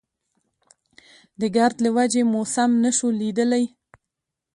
د ګرد له وجې مو سم نه شو ليدلی.